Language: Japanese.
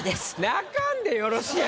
泣かんでよろしいやんか。